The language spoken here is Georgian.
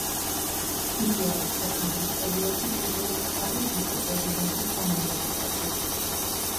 იგი არის ქვეყნის ისტორიაში პირველი ქალი ვიცე-პრეზიდენტის თანამდებობაზე.